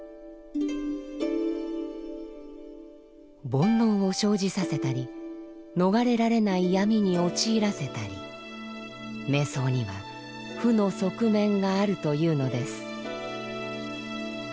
煩悩を生じさせたり逃れられない闇に陥らせたり瞑想には負の側面があるというのです。